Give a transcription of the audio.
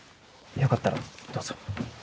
よかったらどうぞ。